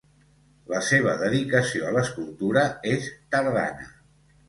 La seva dedicació a l'escultura és tardana.